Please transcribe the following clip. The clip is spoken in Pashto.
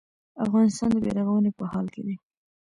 افغانستان د بیا رغونې په حال کې دی